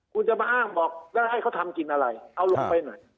คุณจะมาอ้างบอกแล้วให้เขาทำกินอะไรเอาลงไปหน่อย